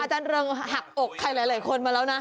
อาจารย์เริงหักอกใครหลายคนมาแล้วนะ